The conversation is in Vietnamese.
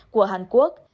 của hàn quốc